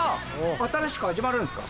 新しく始まるんですか？